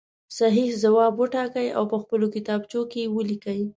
صحیح ځواب وټاکئ او په خپلو کتابچو کې یې ولیکئ.